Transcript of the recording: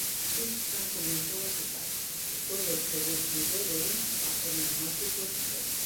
A pista comezou a secarse e todos se detiveron a por pneumáticos de seco.